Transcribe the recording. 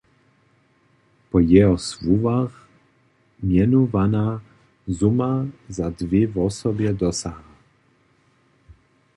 Po jeho słowach mjenowana suma za dwě wosobje dosaha.